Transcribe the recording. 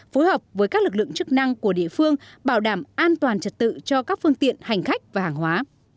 phối hợp với các lực lượng chức năng của địa phương bảo đảm an toàn trật tự cho các phương tiện hành khách và hàng hóa